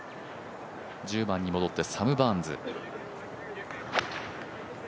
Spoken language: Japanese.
１０番に戻ってサム・バーンズ。